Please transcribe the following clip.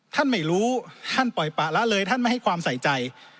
ท่านไม่รู้ท่านปล่อยปะละเลยท่านไม่ให้ความใส่ใจ